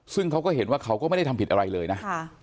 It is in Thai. ซึ่งเขาก็เห็นว่าเขาก็ไม่ได้ทำผิดอะไรเลยนะ